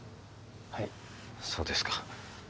はいそうですか